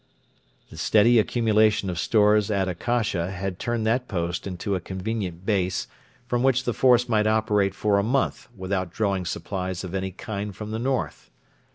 The steady accumulation of stores at Akasha had turned that post into a convenient base from which the force might operate for a month without drawing supplies of any kind from the north.